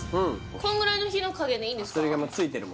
こんぐらいの火の加減でいいんですか？